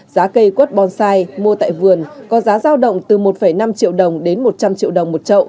giá cây quất bonsai mua tại vườn có giá giao động từ một năm triệu đồng đến một trăm linh triệu đồng một trậu